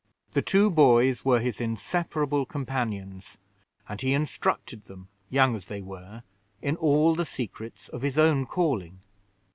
The two boys were his inseparable companions, and he instructed them, young as they were, in all the secrets of his own calling.